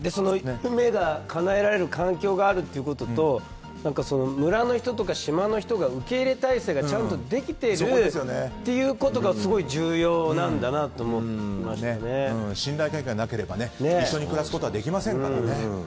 夢がかなえられる環境があるということと村の人とか島の人が受け入れ態勢がちゃんとできているっていうことが信頼関係がなければ一緒に暮らすことはできませんからね。